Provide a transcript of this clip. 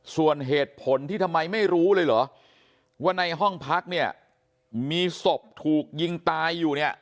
ส่วนเหตุผลที่ทำไมไม่รู้เลยเหรอว่าในห้องพักเนี่ยมีศพถูกยิงตายอยู่เนี่ย